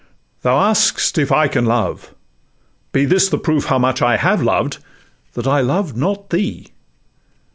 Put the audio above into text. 'Thou ask'st if I can love? be this the proof How much I have loved—that I love not thee!